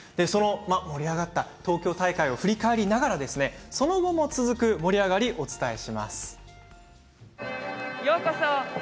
東京大会を振り返りながらその後も続く盛り上がりをお伝えします。